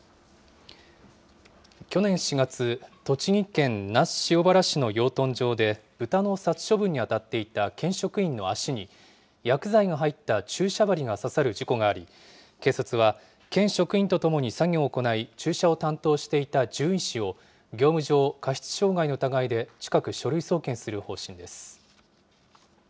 去年４月、栃木県那須塩原市の養豚場で、ブタの殺処分に当たっていた県職員の足に、薬剤が入った注射針が刺さる事故があり、警察は県職員と共に作業を行い、注射を担当していた獣医師を業務上過失傷害の疑いで近く書類送検する方針です。